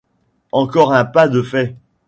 Encore un pas de fait.